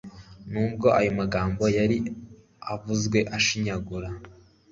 Nubwo ayo magambo yari avuzwe ashinyagura,